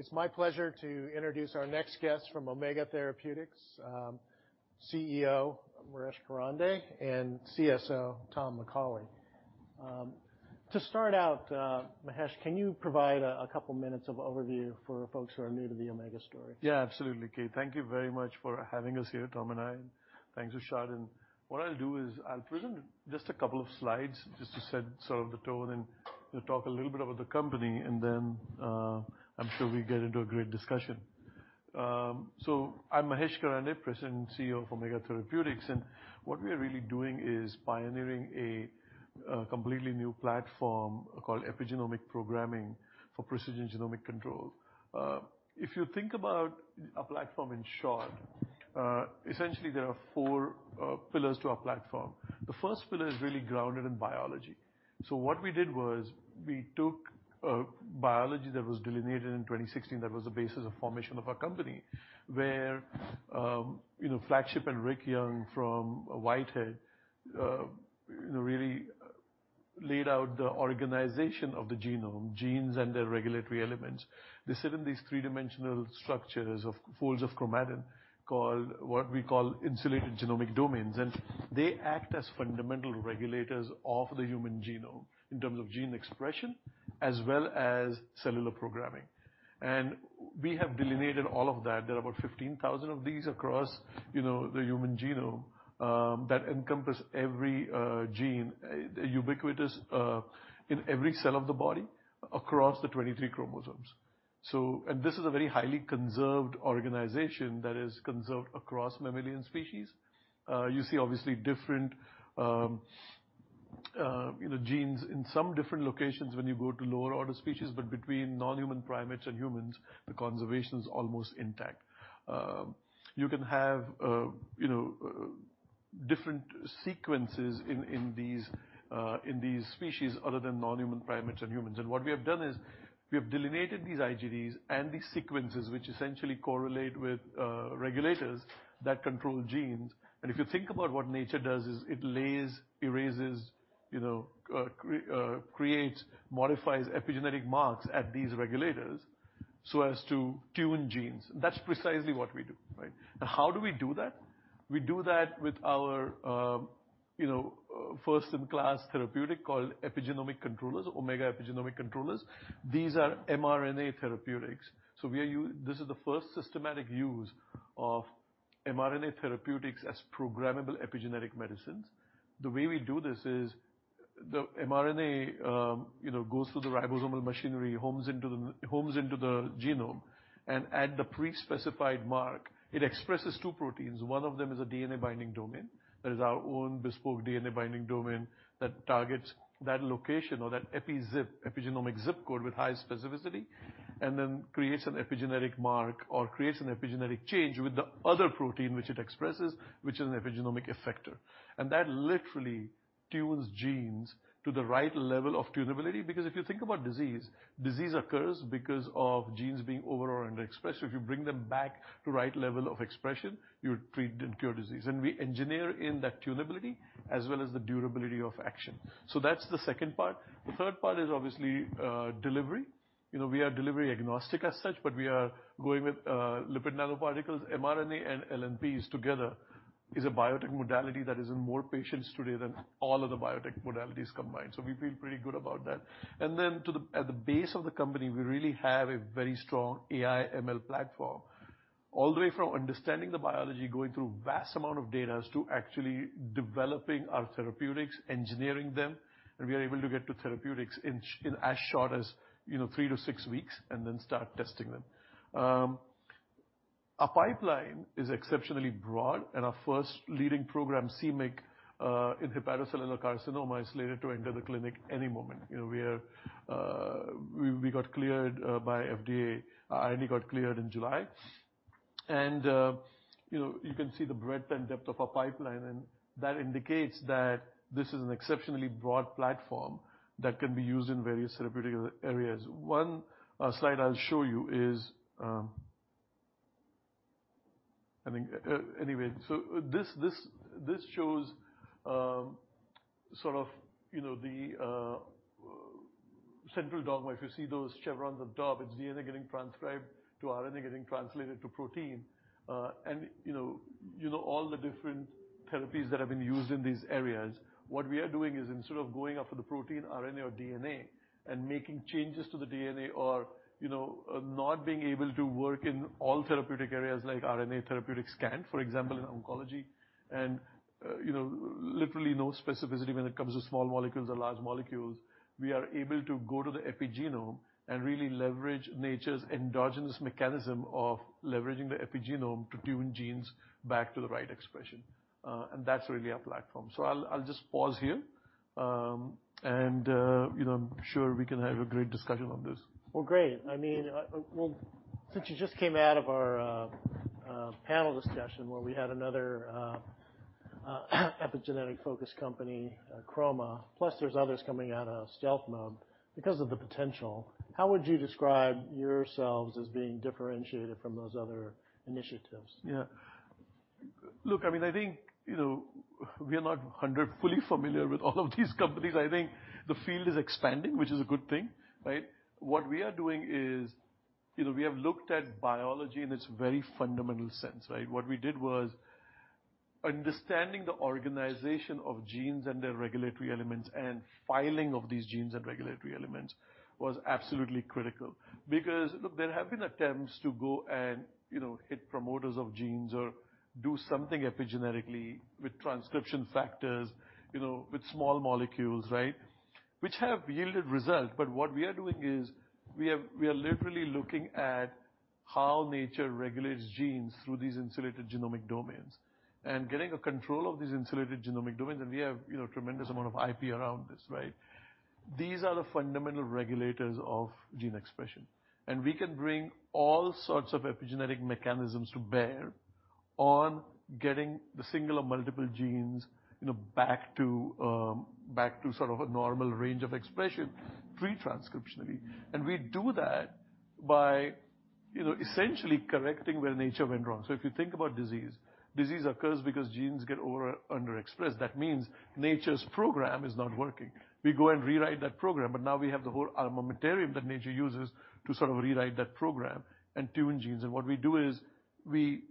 It's my pleasure to introduce our next guest from Omega Therapeutics, CEO Mahesh Karande and CSO Tom McCauley. To start out, Mahesh, can you provide a couple minutes of overview for folks who are new to the Omega story? Yeah, absolutely, Keay. Thank you very much for having us here, Tom and I. Thanks, Rishad. What I'll do is I'll present just a couple of slides just to set sort of the tone and to talk a little bit about the company, and then, I'm sure we'll get into a great discussion. I'm Mahesh Karande, President and CEO of Omega Therapeutics, and what we are really doing is pioneering a completely new platform called Epigenomic Programming for Precision Genomic Control. If you think about our platform in short, essentially there are four pillars to our platform. The first pillar is really grounded in biology. What we did was we took biology that was delineated in 2016 that was the basis of formation of our company where you know Flagship and Rick Young from Whitehead you know really laid out the organization of the genome genes and their regulatory elements. They sit in these three-dimensional structures of folds of chromatin called what we call Insulated Genomic Domains and they act as fundamental regulators of the human genome in terms of gene-expression as well as cellular-programming. We have delineated all of that. There are about 15,000 of these across you know the human genome that encompass every gene ubiquitous in every cell of the body across the 23 chromosomes. This is a very highly conserved organization that is conserved across mammalian species. You see obviously different, you know, genes in some different locations when you go to lower order species, but between non-human primates and humans, the conservation's almost intact. You can have, you know, different sequences in these species other than non-human primates and humans. What we have done is we have delineated these IGDs and these sequences which essentially correlate with regulators that control genes. If you think about what nature does is it creates, modifies epigenetic marks at these regulators so as to tune genes. That's precisely what we do, right? Now, how do we do that? We do that with our first-in-class therapeutic called epigenomic controllers or Omega Epigenomic Controllers. These are mRNA therapeutics. This is the first systematic use of mRNA therapeutics as programmable epigenetic medicines. The way we do this is the mRNA, you know, goes through the ribosomal machinery, homes into the genome, and at the pre-specified mark, it expresses two proteins. One of them is a DNA-binding domain. That is our own bespoke DNA-binding domain that targets that location or that EpiZip, epigenomic zip code with high specificity, and then creates an epigenetic mark or creates an epigenetic change with the other protein which it expresses, which is an epigenomic effector. That literally tunes genes to the right level of tunability because if you think about disease occurs because of genes being over or underexpressed. If you bring them back to right level of expression, you treat and cure disease. We engineer in that tunability as well as the durability of action. That's the second part. The third part is obviously delivery. We are delivery agnostic as such, but we are going with lipid nanoparticles. mRNA and LNPs together is a biotech modality that is in more patients today than all other biotech modalities combined. We feel pretty good about that. At the base of the company, we really have a very strong AI ML platform, all the way from understanding the biology, going through vast amount of data, to actually developing our therapeutics, engineering them, and we are able to get to therapeutics in as short as three to six weeks and then start testing them. Our pipeline is exceptionally broad, and our leading program, OTX-2002, in hepatocellular carcinoma, is slated to enter the clinic any moment. You know, we only got cleared by FDA in July. You know, you can see the breadth and depth of our pipeline, and that indicates that this is an exceptionally broad platform that can be used in various therapeutic areas. One slide I'll show you is, I think, anyway, this shows sort of, you know, the central dogma. If you see those chevrons on top, it's DNA getting transcribed to RNA getting translated to protein. You know, all the different therapies that have been used in these areas. What we are doing is instead of going after the protein, RNA or DNA and making changes to the DNA or, you know, not being able to work in all therapeutic areas like RNA therapeutics can, for example, in oncology, and, you know, literally no specificity when it comes to small molecules or large molecules, we are able to go to the epigenome and really leverage nature's endogenous mechanism of leveraging the epigenome to tune genes back to the right expression. That's really our platform. I'll just pause here, and you know, I'm sure we can have a great discussion on this. Well, great. I mean, well, since you just came out of our panel discussion where we had another epigenetic-focused company, Chroma, plus there's others coming out of stealth mode because of the potential, how would you describe yourselves as being differentiated from those other initiatives? Yeah. Look, I mean, I think, you know, we are not a hundred percent fully familiar with all of these companies. I think the field is expanding, which is a good thing, right? What we are doing is, you know, we have looked at biology in its very fundamental sense, right? What we did was understanding the organization of genes and their regulatory elements and folding of these genes and regulatory elements was absolutely critical. Because, look, there have been attempts to go and, you know, hit promoters of genes or do something epigenetically with transcription factors, you know, with small molecules, right? Which have yielded results. What we are doing is we are literally looking at how nature regulates genes through these Insulated Genomic Domains and getting a control of these Insulated Genomic Domains, and we have, you know, tremendous amount of IP around this, right? These are the fundamental regulators of gene-expression, and we can bring all sorts of epigenetic mechanisms to bear on getting the single or multiple genes, you know, back to sort of a normal range of expression pre-transcriptionally. We do that by, you know, essentially correcting where nature went wrong. If you think about disease occurs because genes get over- or under-expressed. That means nature's program is not working. We go and rewrite that program, but now we have the whole armamentarium that nature uses to sort of rewrite that program and tune genes. What we do is we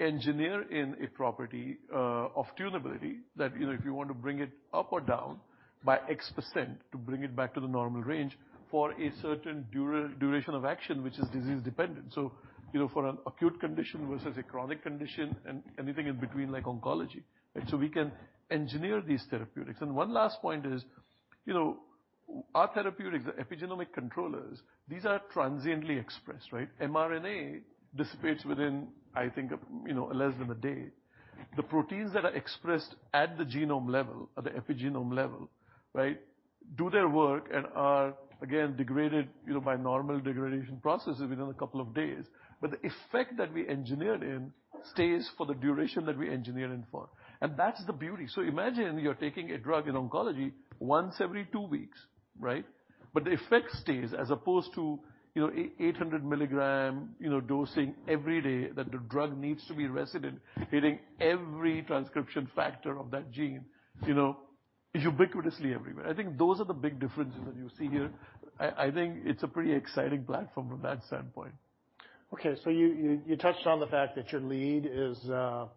engineer in a property of tunability that, you know, if you want to bring it up or down by x% to bring it back to the normal range for a certain duration of action, which is disease dependent. You know, for an acute condition versus a chronic condition and anything in between, like oncology. We can engineer these therapeutics. One last point is, you know, our therapeutics, the epigenomic controllers, these are transiently expressed, right? mRNA dissipates within, I think, you know, less than a day. The proteins that are expressed at the genome level or the epigenome level, right, do their work and are, again, degraded, you know, by normal degradation processes within a couple of days. The effect that we engineered in stays for the duration that we engineered in for. That's the beauty. Imagine you're taking a drug in oncology once every 2 weeks, right? The effect stays as opposed to, you know, 800 milligram, you know, dosing every day that the drug needs to be resident, hitting every transcription factor of that gene, you know, ubiquitously everywhere. I think it's a pretty exciting platform from that standpoint. Okay. You touched on the fact that your lead is,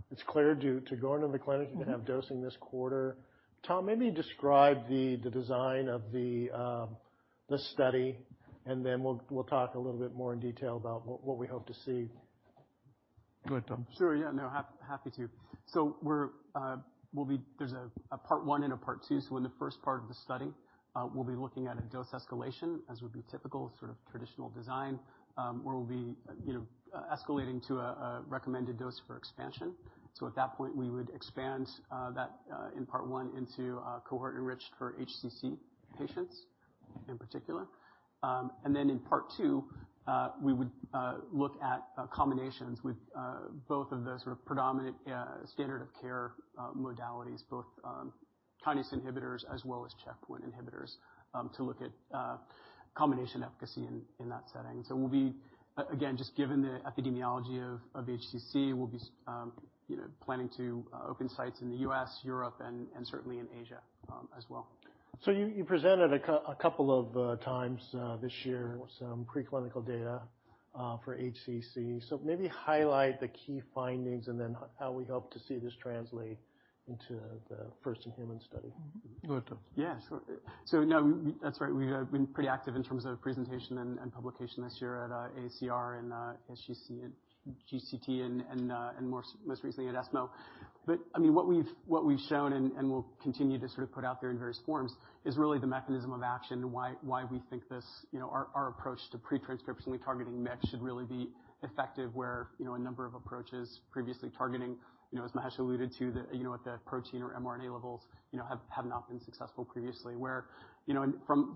it's cleared to go into the clinic. You can have dosing this quarter. Tom, maybe describe the design of the study, and then we'll talk a little bit more in detail about what we hope to see. Go ahead, Tom. Happy to. There's a part one and a part two. In the first part of the study, we'll be looking at a dose escalation, as would be typical sort of traditional design, where we'll be, you know, escalating to a recommended dose for expansion. At that point, we would expand that in part one into a cohort enriched for HCC patients in particular. In part two, we would look at combinations with both of the sort of predominant standard of care modalities, both kinase inhibitors as well as checkpoint inhibitors, to look at combination efficacy in that setting. Just given the epidemiology of HCC, we'll be, you know, planning to open sites in the U.S., Europe, and certainly in Asia, as well. You presented a couple of times this year some preclinical data for HCC. Maybe highlight the key findings and then how we hope to see this translate into the first in-human study. Go ahead, Tom. Yeah, sure. No, that's right. We've been pretty active in terms of presentation and publication this year at AACR and ASGCT and GCT and more recently at ESMO. I mean, what we've shown and we'll continue to sort of put out there in various forms is really the mechanism of action and why we think this, you know, our approach to pre-transcriptionally targeting MYC should really be effective where, you know, a number of approaches previously targeting, you know, as Mahesh alluded to, the, you know, at the protein or mRNA levels, you know, have not been successful previously. We're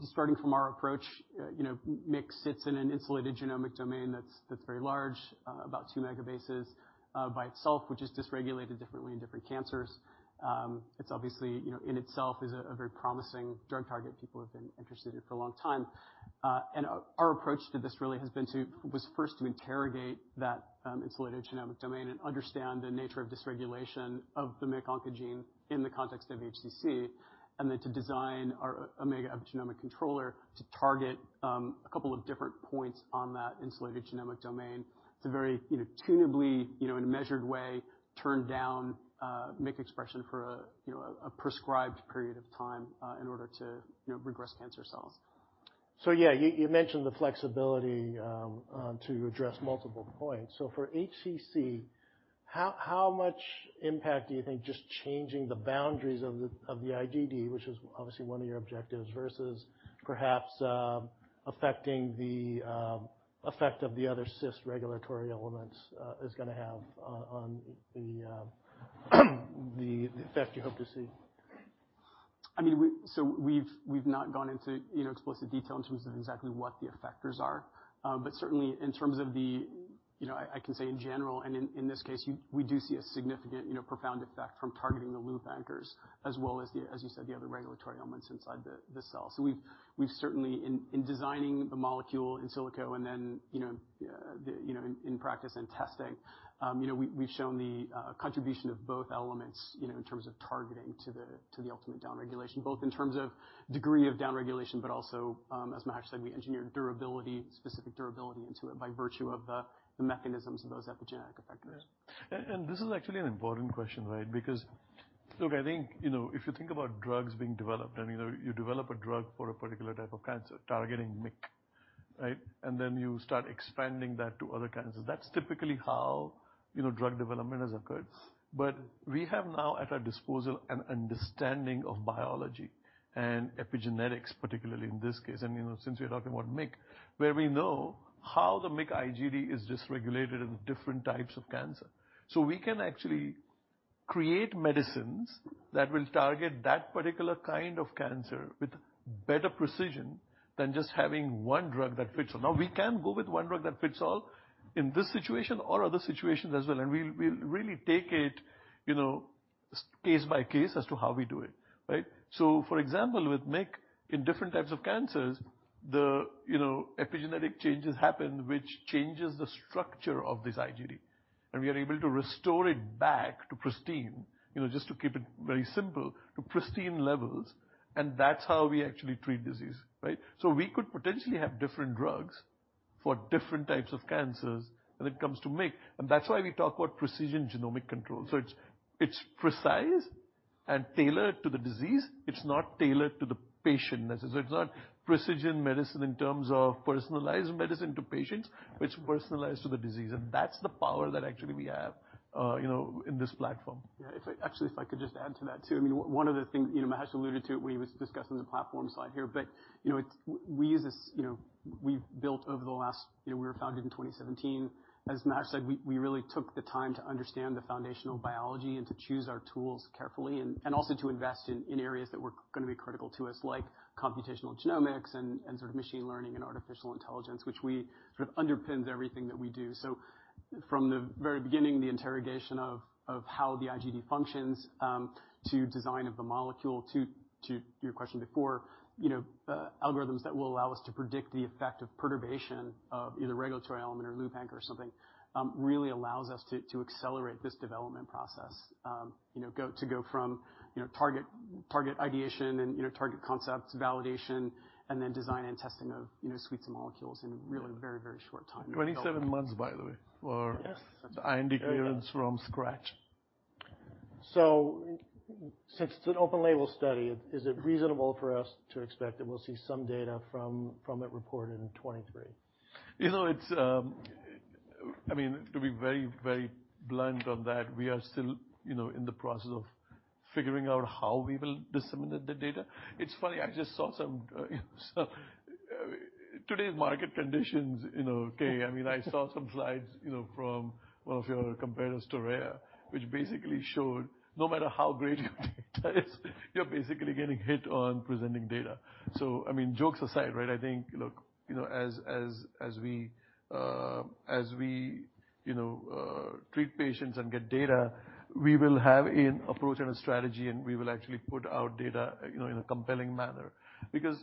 starting from our approach, you know, MYC sits in an Insulated Genomic Domain that's very large, about 2 megabases, by itself, which is dysregulated differently in different cancers. It's obviously, you know, in itself is a very promising drug target people have been interested in for a time. Our approach to this really was first to interrogate that Insulated Genomic Domain and understand the nature of dysregulation of the MYC oncogene in the context of HCC, and then to design our Omega Epigenomic Controller to target a couple of different points on that Insulated Genomic Domain to very, you know, tunably, you know, in a measured way, turn down MYC expression for a, you know, a prescribed period of time, in order to, you know, regress cancer cells. You mentioned the flexibility to address multiple points. For HCC, how much impact do you think just changing the boundaries of the IGD, which is obviously one of your objectives, versus perhaps affecting the effect of the other cis-regulatory elements, is gonna have on the effect you hope to see? I mean, we've not gone into, you know, explicit detail in terms of exactly what the effectors are. Certainly in terms of the, you know, I can say in general and in this case, we do see a significant, you know, profound effect from targeting the loop anchors as well as you said, the other regulatory elements inside the cell. We've certainly in designing the molecule in silico and then, you know, in practice and testing, you know, we've shown the contribution of both elements, you know, in terms of targeting to the ultimate downregulation, both in terms of degree of downregulation, but also, as Mahesh said, we engineered durability, specific durability into it by virtue of the mechanisms of those epigenomic effectors. This is actually an important question, right? Because look, I think, you know, if you think about drugs being developed, I mean, you know, you develop a drug for a particular type of cancer targeting MYC, right? Then you start expanding that to other cancers. That's typically how, you know, drug development has occurred. We have now at our disposal an understanding of biology and epigenetics, particularly in this case, and you know, since we're talking about MYC, where we know how the MYC IGD is dysregulated in different types of cancer. We can actually create medicines that will target that particular kind of cancer with better precision than just having one drug that fits all. Now, we can go with one drug that fits all in this situation or other situations as well, and we really take it, you know, case by case as to how we do it, right? For example, with MYC in different types of cancers, you know, epigenetic changes happen which changes the structure of this IGD. We are able to restore it back to pristine, you know, just to keep it very simple, to pristine levels, and that's how we actually treat disease, right? We could potentially have different drugs for different types of cancers when it comes to MYC, and that's why we talk about Precision Genomic Control. It's, it's precise and tailored to the disease. It's not tailored to the patient, necessarily. It's not precision medicine in terms of personalized medicine to patients. It's personalized to the disease, and that's the power that actually we have, you know, in this platform. Actually, if I could just add to that too. I mean, one of the things, you know, Mahesh alluded to it when he was discussing the platform slide here, but, you know, it's. We use this, you know, we've built over the last. You know, we were founded in 2017. As Mahesh said, we really took the time to understand the foundational biology and to choose our tools carefully and also to invest in areas that were gonna be critical to us, like computational genomics and sort of machine learning and artificial intelligence, which sort of underpins everything that we do. From the very beginning, the interrogation of how the IGD functions to design of the molecule to your question before, you know, algorithms that will allow us to predict the effect of perturbation of either regulatory element or loop anchor or something really allows us to accelerate this development process. You know, to go from target ideation and target concept validation and then design and testing of suites of molecules in a really very short time. 27 months, by the way. Yes. IND clearance from scratch. Since it's an open label study, is it reasonable for us to expect that we'll see some data from it reported in 2023? You know, it's I mean, to be very, very blunt on that, we are still, you know, in the process of figuring out how we will disseminate the data. It's funny. Today's market conditions, you know, Keay, I mean, I saw some slides, you know, from one of your competitors, Torreya, which basically showed no matter how great your data is, you're basically getting hit on presenting data. I mean, jokes aside, right? I think, look, you know, as we treat patients and get data, we will have an approach and a strategy, and we will actually put out data, you know, in a compelling manner. Because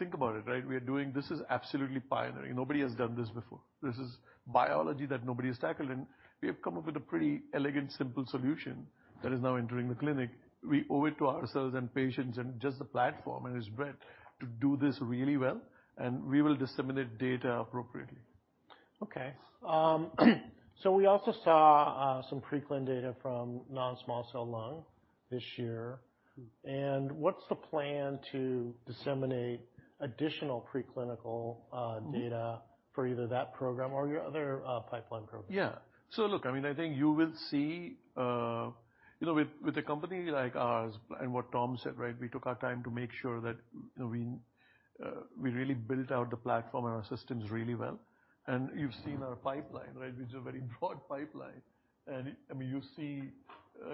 think about it, right? We are doing this. This is absolutely pioneering. Nobody has done this before. This is biology that nobody has tackled, and we have come up with a pretty elegant, simple solution that is now entering the clinic. We owe it to ourselves and patients and just the platform and its breadth to do this really well, and we will disseminate data appropriately. Okay. We also saw some preclinical data from non-small cell lung this year. What's the plan to disseminate additional preclinical data for either that program or your other pipeline programs? Yeah. Look, I mean, I think you will see. You know, with a company like ours and what Tom said, right? We took our time to make sure that, you know, we really built out the platform and our systems really well. You've seen our pipeline, right? Which is a very broad pipeline. I mean, you see,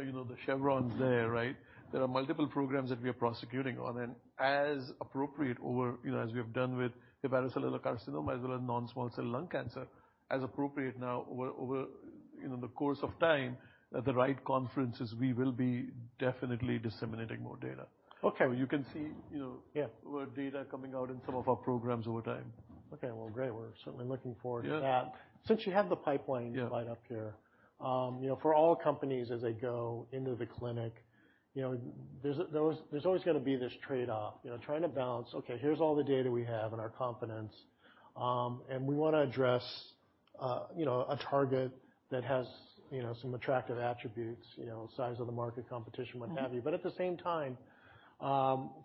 you know, the chevrons there, right? There are multiple programs that we are prosecuting on. As appropriate over, you know, as we have done with hepatocellular carcinoma as well as non-small cell lung cancer, as appropriate now over, you know, the course of time, at the right conferences, we will be definitely disseminating more data. Okay. You can see, you know. Yeah. more data coming out in some of our programs over time. Okay. Well, great. We're certainly looking forward to that. Yeah. Since you have the pipeline slide up here, you know, for all companies as they go into the clinic, you know, there's always gonna be this trade-off, you know, trying to balance, okay, here's all the data we have and our confidence, and we wanna address, you know, a target that has, you know, some attractive attributes, you know, size of the market, competition, what have you. But at the same time,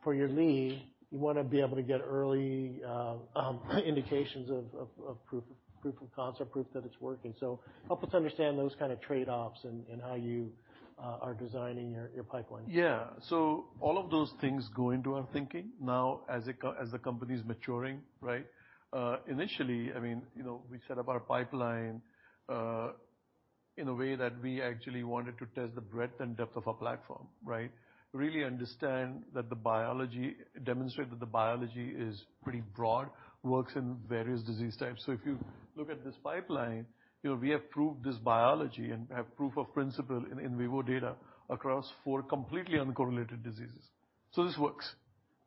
for your lead, you wanna be able to get early indications of proof of concept, proof that it's working. Help us understand those kind of trade-offs and how you are designing your pipeline. Yeah. All of those things go into our thinking now as the company's maturing, right? Initially, I mean, you know, we set up our pipeline in a way that we actually wanted to test the breadth and depth of our platform, right? Really understand that the biology. Demonstrate that the biology is pretty broad, works in various disease types. If you look at this pipeline, you know, we have proved this biology and have proof of principle in vivo data across four completely uncorrelated diseases. This works.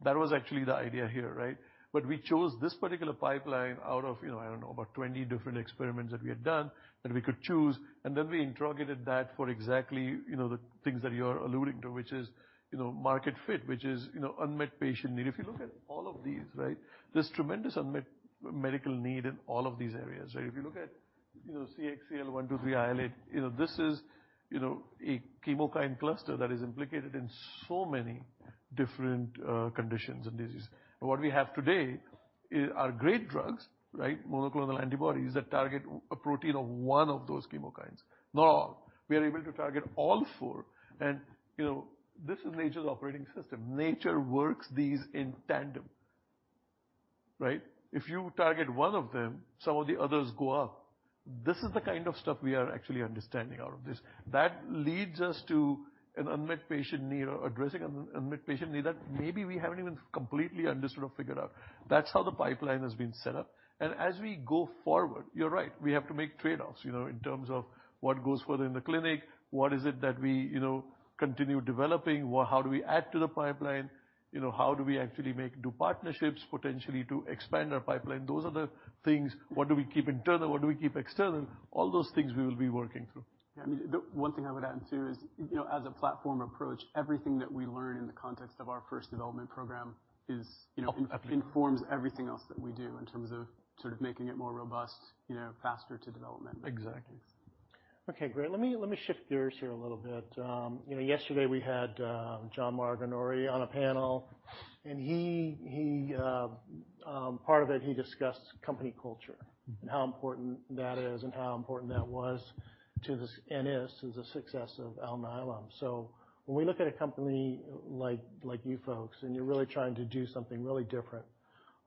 That was actually the idea here, right? We chose this particular pipeline out of, you know, I don't know, about 20 different experiments that we had done that we could choose, and then we interrogated that for exactly, you know, the things that you're alluding to, which is, you know, market fit, which is, you know, unmet patient need. If you look at all of these, right? There's tremendous unmet medical need in all of these areas, right? If you look at, you know, CXCL1-8, you know, this is, you know, a chemokine cluster that is implicated in so many different conditions and diseases. What we have today are great drugs, right? Monoclonal antibodies that target a protein of one of those chemokines. Not all. We are able to target all four. You know, this is nature's operating system. Nature works these in tandem, right? If you target one of them, some of the others go up. This is the kind of stuff we are actually understanding out of this. That leads us to an unmet patient need or addressing an unmet patient need that maybe we haven't even completely understood or figured out. That's how the pipeline has been set up. As we go forward, you're right, we have to make trade-offs, you know, in terms of what goes further in the clinic, what is it that we, you know, continue developing, how do we add to the pipeline, you know, how do we actually do partnerships potentially to expand our pipeline? Those are the things. What do we keep internal? What do we keep external? All those things we will be working through. Yeah, I mean, the one thing I would add, too, is, you know, as a platform approach, everything that we learn in the context of our first development-program is, you know. Oh, absolutely. informs everything else that we do in terms of sort of making it more robust, you know, faster development. Exactly. Okay, great. Let me shift gears here a little bit. You know, yesterday we had John Maraganore on a panel, and he part of it, he discussed company culture. Mm-hmm how important that is and how important that was to this and is the success of Alnylam. When we look at a company like you folks, and you're really trying to do something really different,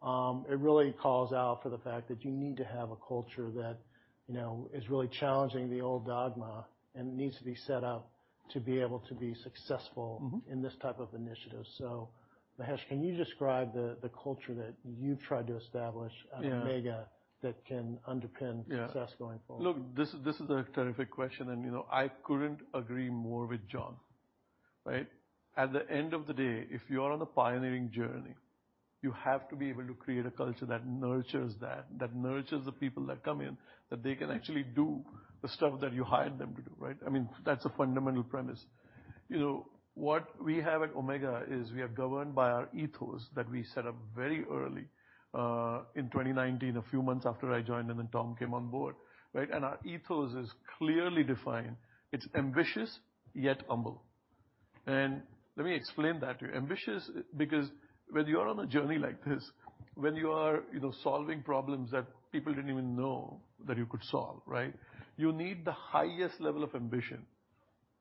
it really calls out for the fact that you need to have a culture that, you know, is really challenging the old dogma and needs to be set up to be able to be successful. Mm-hmm in this type of initiative. Mahesh, can you describe the culture that you've tried to establish at- Yeah... Omega that can underpin Yeah success going forward? Look, this is a terrific question, and, you know, I couldn't agree more with John, right? At the end of the day, if you're on a pioneering journey, you have to be able to create a culture that nurtures that nurtures the people that come in, that they can actually do the stuff that you hired them to do, right? I mean, that's a fundamental premise. You know, what we have at Omega is we are governed by our ethos that we set up very early in 2019, a few months after I joined, and then Tom came on board, right? Our ethos is clearly defined. It's ambitious, yet humble. Let me explain that to you. Ambitious, because when you're on a journey like this, when you are, you know, solving problems that people didn't even know that you could solve, right? You need the highest-level of ambition,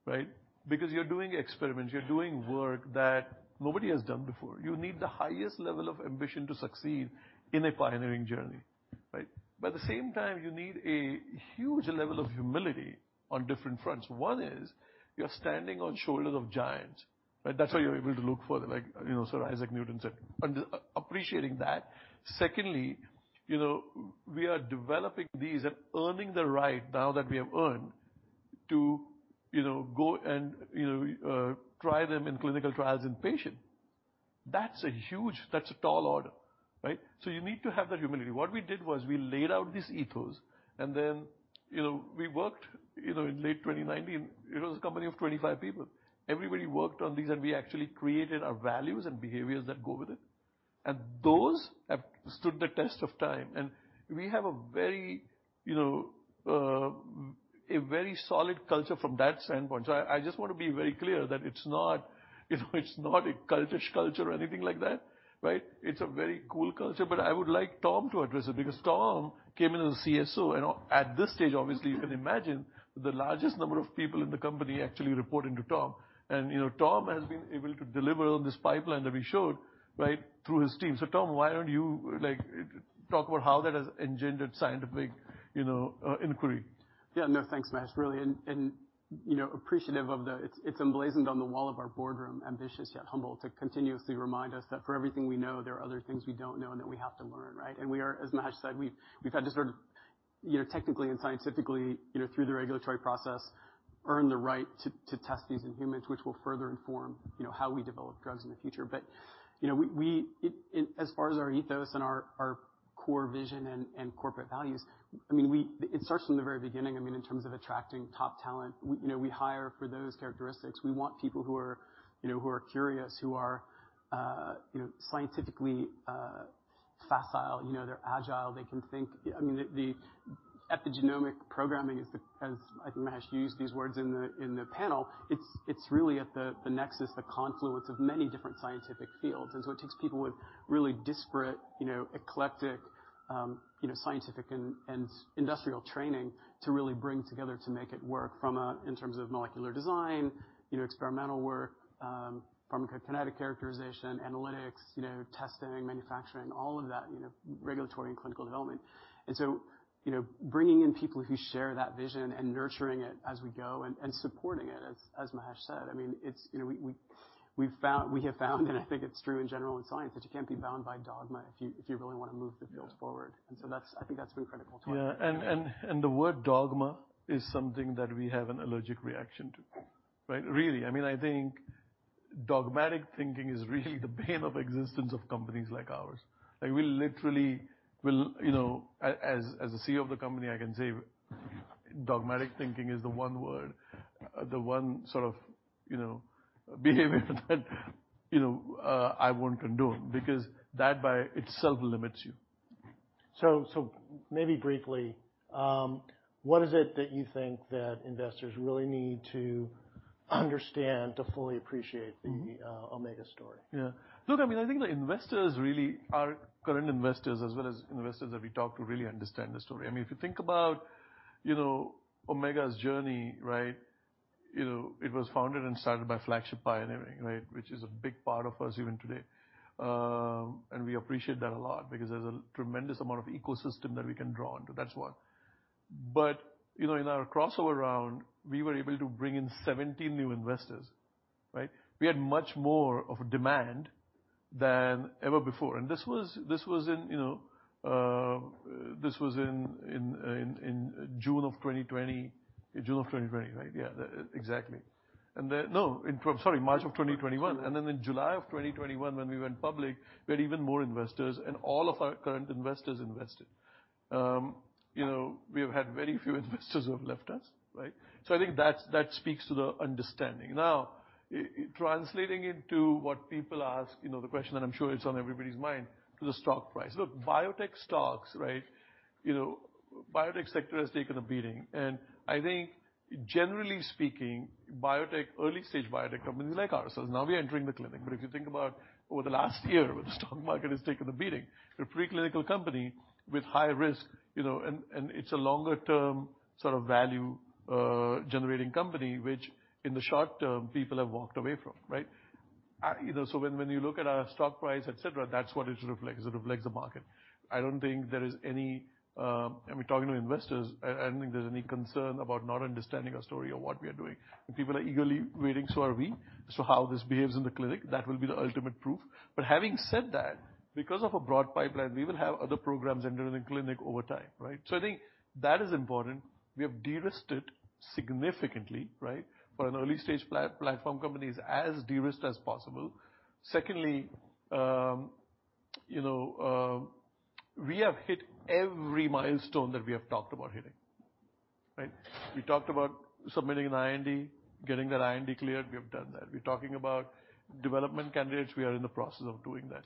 right? Because you're doing experiments, you're doing work that nobody has done before. You need the highest-level of ambition to succeed in a pioneering journey, right? At the same time, you need a huge-level of humility on different fronts. One is you're standing on shoulders of giants, right? That's how you're able to look further, like, you know, Sir Isaac Newton said. Appreciating that. Secondly, you know, we are developing these and earning the right now that we have earned to, you know, go and, you know, try them in clinical trials in patient. That's a huge. That's a tall order, right? You need to have that humility. What we did was we laid out this ethos, and then, you know, we worked, you know, in late 2019. It was a company of 25 people. Everybody worked on these, and we actually created our values and behaviors that go with it. Those have stood the test of time, and we have a very, you know, a very solid culture from that standpoint. I just wanna be very clear that it's not, you know it's not a cultish culture or anything like that, right? It's a very cool culture, but I would like Tom to address it because Tom came in as a CSO, and at this stage, obviously, you can imagine the largest number of people in the company actually reporting to Tom. You know, Tom has been able to deliver on this pipeline that we showed, right? Through his team. Tom, why don't you, like, talk about how that has engendered scientific, you know, inquiry? Yeah, no, thanks, Mahesh, really, you know, appreciative of the. It's emblazoned on the wall of our boardroom, "Ambitious yet humble," to continuously remind us that for everything we know, there are other things we don't know and that we have to learn, right? We are, as Mahesh said, we've had to sort of, you know, technically and scientifically, you know, through the regulatory process, earn the right to test these in humans, which will further inform, you know, how we develop drugs in the future. You know, we as far as our ethos and our core vision and corporate values, I mean, it starts from the very beginning, I mean, in terms of attracting top-talent. We, you know, we hire for those characteristics. We want people who are, you know, who are scientifically facile. You know, they're agile, they can think. I mean, the Epigenomic Programming is. As I think Mahesh used these words in the panel, it's really at the nexus, the confluence of many different scientific fields. It takes people with really disparate, you know, eclectic scientific and industrial training to really bring together to make it work in terms of molecular design, you know, experimental work, pharmacokinetic characterization, analytics, you know, testing, manufacturing, all of that, you know, regulatory and clinical development. You know, bringing in people who share that vision and nurturing it as we go and supporting it, as Mahesh said. I mean, it's, you know, we have found, and I think it's true in general in science, that you can't be bound by dogma if you really wanna move the fields forward. Yeah. That's, I think, that's been critical to our- Yeah. The word dogma is something that we have an allergic reaction to, right? Really. I mean, dogmatic thinking is really the bane of existence of companies like ours. Like we literally will, you know, as a CEO of the company, I can say dogmatic thinking is the one word, the one sort of, you know, behavior that, you know, I won't condone because that by itself limits you. Maybe briefly, what is it that you think that investors really need to understand to fully appreciate the Omega story? Yeah. Look, I mean, I think the investors really are current investors as well as investors that we talk to really understand the story. I mean, if you think about, you know, Omega's journey, right? You know, it was founded and started by Flagship Pioneering, right? Which is a big part of us even today. We appreciate that a lot because there's a tremendous amount of ecosystem that we can draw on, that's one. You know, in our crossover round, we were able to bring in 70 new investors, right? We had much more of a demand than ever before. This was in, you know, June of 2020. June of 2020, right? Yeah, exactly. No, sorry, in March of 2021. Then in July of 2021, when we went public, we had even more investors and all of our current investors invested. You know, we have had very few investors who have left us, right? So I think that speaks to the understanding. Now, translating into what people ask, you know, the question, and I'm sure it's on everybody's mind, to the stock price. Look, biotech stocks, right? You know, biotech sector has taken a beating. I think generally speaking, biotech, early-stage biotech companies like ourselves, now we are entering the clinic. If you think about over the last-year, where the stock market has taken a beating, the preclinical company with high-risk, you know, it's a longer-term sort of value generating company, which in the short-term, people have walked away from, right? You know, when you look at our stock price, et cetera, that's what it reflects. It reflects the market. I don't think there is any, and we're talking to investors, I don't think there's any concern about not understanding our story or what we are doing. People are eagerly waiting, so are we. How this behaves in the clinic, that will be the ultimate proof. Having said that, because of a broad pipeline, we will have other programs entering the clinic over time, right? I think that is important. We have de-risked it significantly, right? For an early-stage platform company is as de-risked as possible. Secondly, you know, we have hit every milestone that we have talked about hitting, right? We talked about submitting an IND, getting that IND cleared, we have done that. We're talking about development candidates, we are in the process of doing that.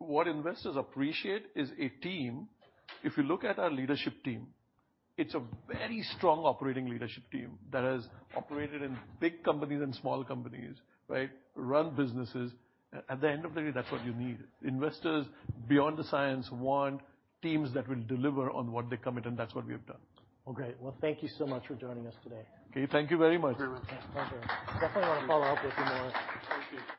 What investors appreciate is a team. If you look at our leadership team, it's a very strong operating leadership team that has operated in big companies and small companies, right, run businesses. At the end of the day, that's what you need. Investors, beyond the science, want teams that will deliver on what they commit, and that's what we have done. Okay. Well, thank you so much for joining us today. Okay. Thank you very much. Very welcome. Thank you. Definitely wanna follow up with you more. Thank you